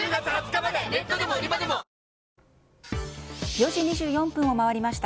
４時２４分を回りました。